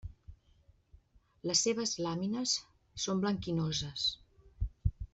Les seves làmines són blanquinoses.